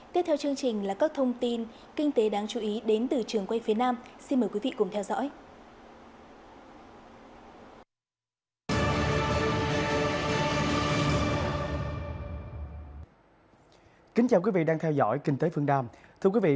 tiếp theo chương trình là các thông tin kinh tế đáng chú ý